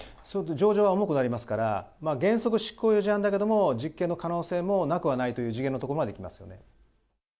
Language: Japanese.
情状は重くなりますから、原則、執行猶予事案だけども、実刑の可能性もなくはないという次元のところまでいきますよね。